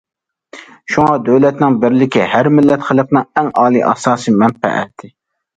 شۇڭا دۆلەتنىڭ بىرلىكى ھەر مىللەت خەلقىنىڭ ئەڭ ئالىي ئاساسىي مەنپەئەتى.